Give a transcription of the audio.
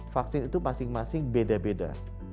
vaksin itu masing masing beda beda